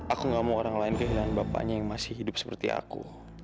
aku gak mau orang lain kehilangan bapaknya yang masih hidup seperti aku